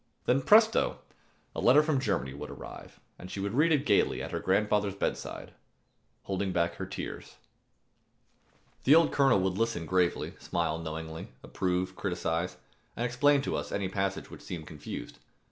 Then presto! a letter from Germany would arrive, and she would read it gayly at her grandfather's bedside, holding back her tears. The old colonel would listen gravely, smile knowingly, approve, criticize, and explain to us any passage which seemed confused.